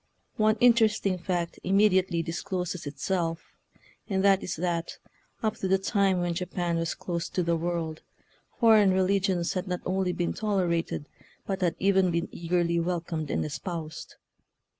One interesting fact immediately discloses it self, and that is that up to the time when Japan was closed to the world foreign religions had not only been tolerated, but had even been eagerly welcomed and espoused.